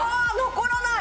残らない！